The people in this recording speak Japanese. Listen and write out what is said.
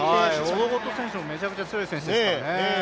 オロゴト選手もめちゃくちゃ強い選手ですからね。